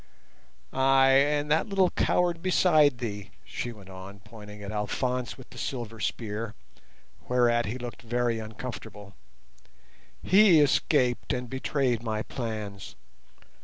"Ay, and that little coward beside thee," she went on, pointing at Alphonse with the silver spear, whereat he looked very uncomfortable; "he escaped and betrayed my plans.